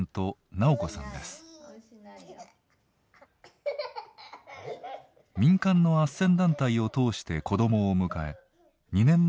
民間のあっせん団体を通して子どもを迎え２年前に特別養子縁組が成立しました。